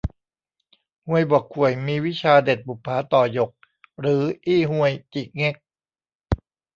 ฮวยบ่อข่วยมีวิชาเด็ดบุปผาต่อหยก หรืออี้ฮวยจิเง็ก